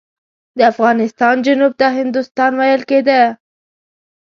د افغانستان جنوب ته هندوستان ویل کېده.